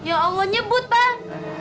abang ya allah nyebut bang